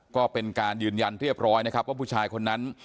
ก็เป็นการยืนยันเรียบร้อยนะครับว่าผู้ชายคนนั้น